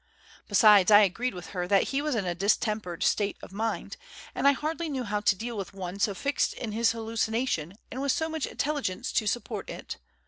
Besides, I agreed with her that he was in a distempered state of mind, and I hardly knew how to deal with one so fixed in his hallucination and with so much intelligence to support it.